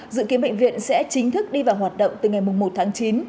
dự kiến bệnh viện sẽ chính thức đi vào hoạt động từ ngày một tháng chín